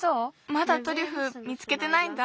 まだトリュフ見つけてないんだ。